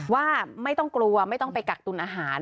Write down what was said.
ว่าไม่ต้องกลัวไม่ต้องไปกักตุลอาหาร